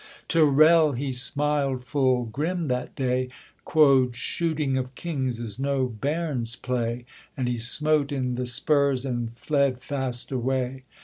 Tyrrel he smiled full grim that day, Quod 'Shooting of kings is no bairns' play;' And he smote in the spurs, and fled fast away.